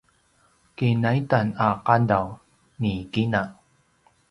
kinaitan a qadav ni kina